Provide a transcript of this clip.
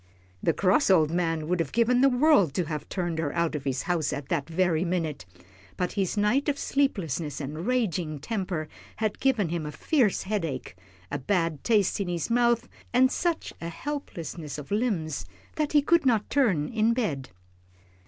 The cross old man would have given the world to have turned her out of his house at that very minute, but his night of sleeplessness and raging temper had given him a fierce headache, a bad taste in his mouth, and such a helplessness of limbs that he could not turn in bed.